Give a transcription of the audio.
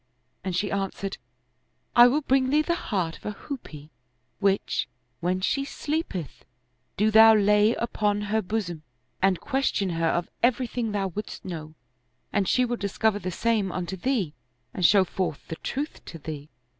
" and she answered, " I will bring thee the heart of a hoopoe, which, when she sleepeth, do thou lay upon her bosom and question her of everything thou wouldst know, and she will discover the same unto thee and show fortii the truth to thee."